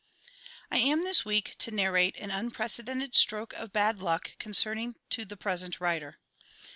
_ I am this week to narrate an unprecedented stroke of bad luck occurring to the present writer.